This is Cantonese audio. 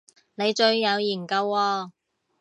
你最有研究喎